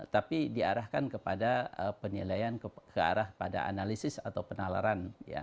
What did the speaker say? tapi diarahkan kepada penilaian ke arah pada analisis atau penalaran